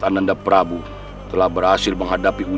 jangan berbangga dengan apa yang kau capai